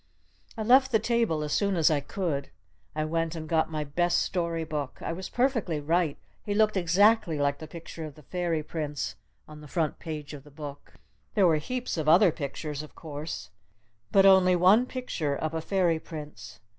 I left the table as soon as I could. I went and got my best story book. I was perfectly right. He looked exactly like the picture of the Fairy Prince on the front page of the book. There were heaps of other pictures, of course. But only one picture of a Fairy Prince.